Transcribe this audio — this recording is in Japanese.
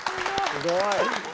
すごい。